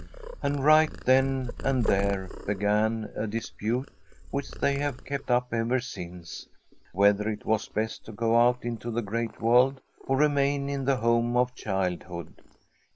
And right then and there began a dispute which they have kept up ever since: whether it was best to go out into the Great World or remain in the home of childhood.